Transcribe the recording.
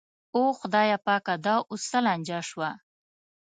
او خدایه پاکه دا اوس څه لانجه شوه.